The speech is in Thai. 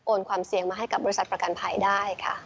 ความเสี่ยงมาให้กับบริษัทประกันภัยได้ค่ะ